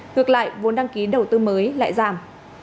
ngược lại vốn đăng ký đầu tư mới lại giảm